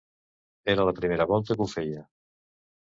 Era la primera volta que ho feia.